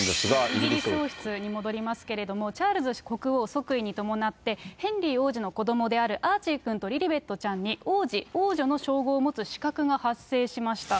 イギリス王室に戻りますけれども、チャールズ国王即位に伴って、ヘンリー王子の子どもであるアーチーくんとリリベットちゃんに王子、王女の称号を持つ資格が発生しました。